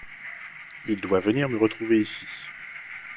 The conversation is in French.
Il doit venir me retrouver ici.